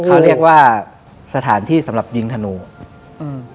เขาเรียกว่าสถานที่สำหรับยิงธนูอืม